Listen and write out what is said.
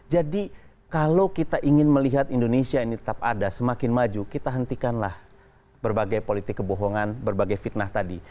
jadi kalau kita ingin melihat indonesia ini tetap ada semakin maju kita hentikanlah berbagai politik kebohongan berbagai fitnah tadi